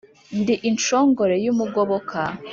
Ndi inshongore y’umugoboka